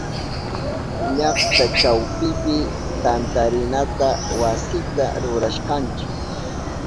Llakta chawpipi tantarina wasita rurashkanchi.